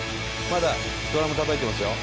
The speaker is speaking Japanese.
「まだドラムたたいてますよ」